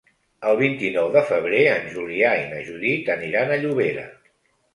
El vint-i-nou de febrer en Julià i na Judit aniran a Llobera.